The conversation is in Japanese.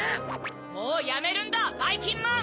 もうやめるんだばいきんまん！